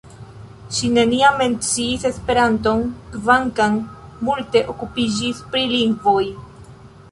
Ŝi neniam menciis Esperanton, kvankam multe okupiĝis pri lingvoj.